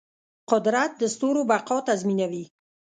قدرت د ستورو بقا تضمینوي.